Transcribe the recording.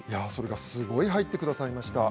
すごい入ってくださいました。